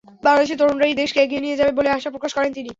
বাংলাদেশের তরুণরাই দেশকে এগিয়ে নিয়ে যাবে বলে আশা প্রকাশ করেন তিনি।